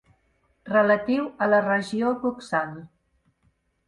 Relatiu a la regió coxal.